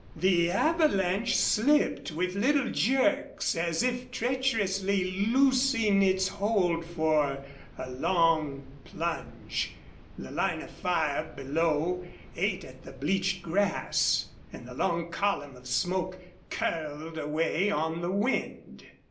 The avalanche slipped with little jerks, as if treacherously loosing its hold for a long plunge. The line of fire below ate at the bleached grass and the long column of smoke curled away on the wind.